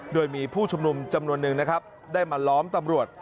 โดยมีผู้ชุมนุมจำนวนหนึ่งนะครับได้มาล้อมตำรวจ